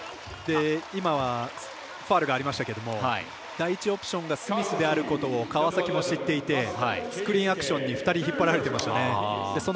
今はファウルがありましたけど第１オプションがスミスであることを川崎は知っていてスクリーンアクションに２人引っ張られていました。